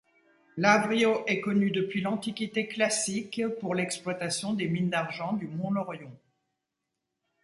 Lávrio est connue depuis l'Antiquité classique pour l'exploitation des mines d'argent du mont Laurion.